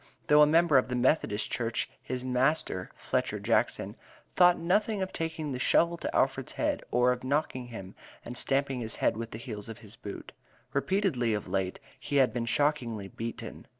Though a member of the Methodist Church, his master, Fletcher Jackson, "thought nothing of taking the shovel to Alfred's head; or of knocking him, and stamping his head with the heels of his boots." Repeatedly, of late, he had been shockingly beaten.